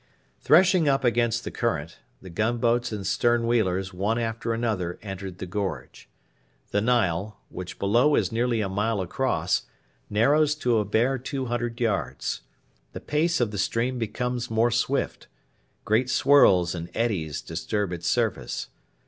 Threshing up against the current, the gunboats and stern wheelers one after another entered the gorge. The Nile, which below is nearly a mile across, narrows to a bare 200 yards. The pace of the stream becomes more swift. Great swirls and eddies disturb its surface.